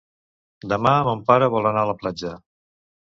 Demà mon pare vol anar a la platja.